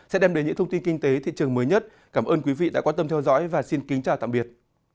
sẽ đem đến những thông tin kinh tế thị trường mới nhất cảm ơn quý vị đã quan tâm theo dõi và xin kính chào tạm biệt